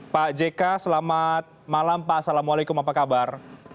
pak jk selamat malam pak assalamualaikum apa kabar